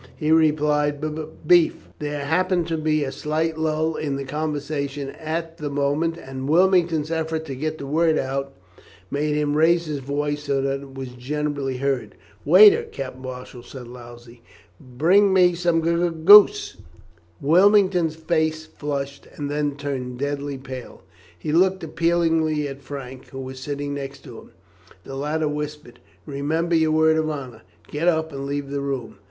He replied, "B b b b beef." There happened to be a slight lull in the conversation at the moment, and Wilmington's effort to get the word out made him raise his voice so that it was generally heard. "Waiter," Captain Marshall said loudly, "bring me some g g g g goose." Wilmington's face flushed and then turned deadly pale. He looked appealingly at Frank, who was sitting next to him. The latter whispered, "Remember your word of honour. Get up and leave the room."